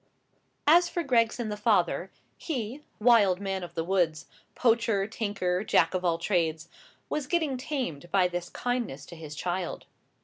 As for Gregson the father—he—wild man of the woods, poacher, tinker, jack of all trades—was getting tamed by this kindness to his child.